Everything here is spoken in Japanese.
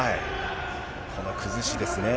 この崩しですね。